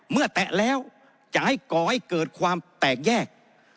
แตะแล้วจะให้ก่อให้เกิดความแตกแยก